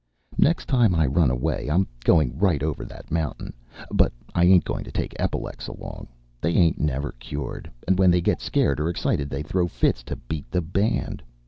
Next time I run away I'm going right over that mountain. But I ain't going to take epilecs along. They ain't never cured, and when they get scared or excited they throw fits to beat the band.